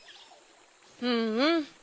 うんうん。